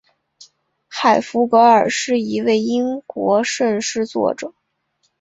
海弗格尔是一位英国圣诗作者。